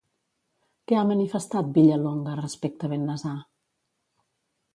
Què ha manifestat, Villalonga, respecte Bennasar?